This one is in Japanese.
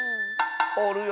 おるよ